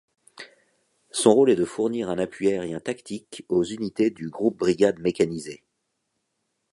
Son rôle est de fournir un appui aérien tactique aux unités du Groupe-brigade mécanisé.